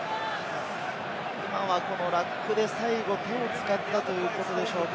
今はこのラックで最後、手を使ったということでしょうか。